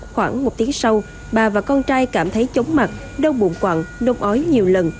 khoảng một tiếng sau bà và con trai cảm thấy chống mặt đau bụng quặng nông ói nhiều lần